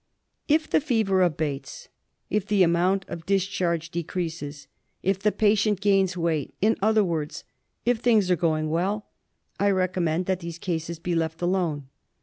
It the fever abates, if the amount of discharge decreases, if the patient gains weight, in other words if things are going well, I recommend that these cases be left alone.